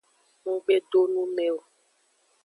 Ng gbe do nu me o.